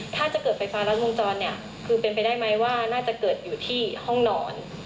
ถ้าจะเกิดไฟฟ้ารัดวงจรเนี่ยคือเป็นไปได้ไหมว่าน่าจะเกิดอยู่ที่ห้องนอน